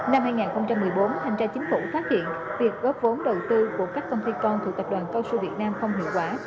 năm hai nghìn một mươi bốn thanh tra chính phủ phát hiện việc góp vốn đầu tư của các công ty con thuộc tập đoàn cao su việt nam không hiệu quả